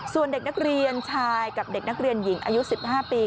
ส่วนเด็กนักเรียนชายกับเด็กนักเรียนหญิงอายุ๑๕ปี